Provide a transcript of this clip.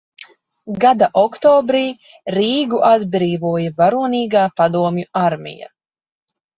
Gada oktobrī Rīgu atbrīvoja varonīgā padomju armija.